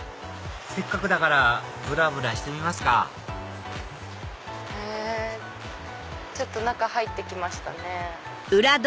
せっかくだからぶらぶらしてみますかちょっと中入って来ましたね。